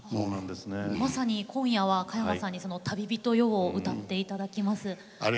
まさに今夜は加山さんに「旅人よ」を歌っていただきます。